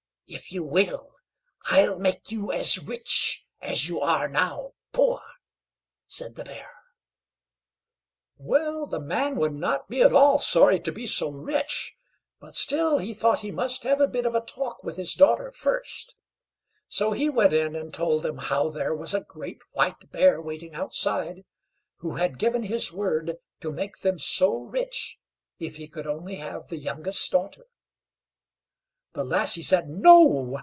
If you will, I'll make you as rich as you are now poor," said the Bear. Well, the man would not be at all sorry to be so rich; but still he thought he must have a bit of a talk with his daughter first; so he went in and told them how there was a great White Bear waiting outside, who had given his word to make them so rich if he could only have the youngest daughter. The lassie said "No!"